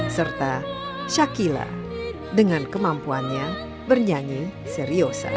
serta shakila dengan kemampuannya bernyanyi seriosa